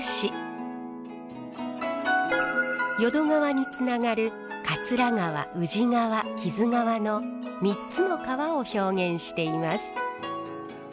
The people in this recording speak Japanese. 淀川につながる桂川宇治川木津川の３つの川を表現しています。